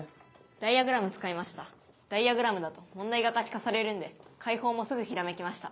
ダイヤグラム使いましたダイヤグラムだと問題が可視化されるんで解法もすぐひらめきました。